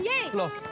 itu pasti kesalahan